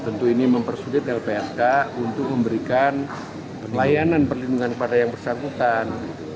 tentu ini mempersulit lpsk untuk memberikan pelayanan perlindungan kepada yang bersangkutan